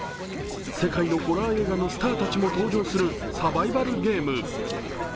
世界のホラー映画のスターたちも搭乗するサバイバルゲーム。